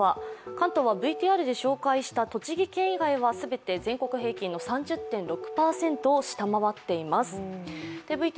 関東はＶＴＲで紹介した栃木県以外は全て全国平均の３０．６％を下回っています。